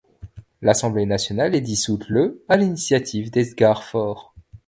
L'Assemblée nationale est dissoute le à l’initiative d’Edgar Faure.